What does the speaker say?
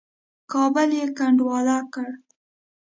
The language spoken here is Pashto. کابل یې کنډواله کړ.